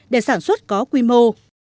để sản xuất có quy mô